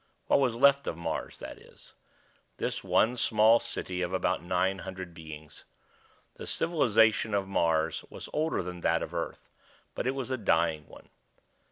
What was left of Mars, that is; this one small city of about nine hundred beings. The civilization of Mars was older than that of Earth, but it was a dying one.